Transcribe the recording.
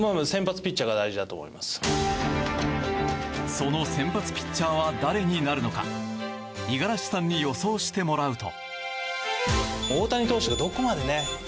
その先発ピッチャーは誰になるのか五十嵐さんに予想してもらうと。